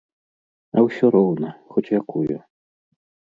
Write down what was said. А ўсё роўна, хоць якую!